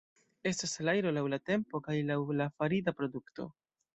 Estas salajro laŭ la tempo kaj laŭ la farita produkto.